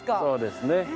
そうですね。